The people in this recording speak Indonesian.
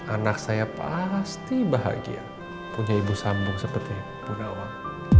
anak saya pasti bahagia punya ibu sambung seperti bu nawang